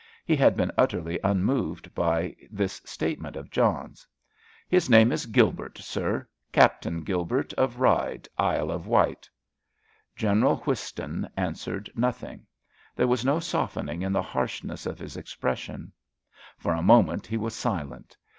He had been utterly unmoved by this statement of John's. "His name is Gilbert, sir; Captain Gilbert, of Ryde, Isle of Wight." General Whiston answered nothing; there was no softening in the harshness of his expression. For a moment he was silent.